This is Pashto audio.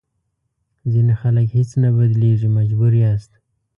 ځینې خلک هېڅ نه بدلېږي مجبور یاست.